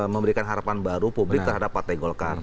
memberikan harapan baru publik terhadap pak tegol kar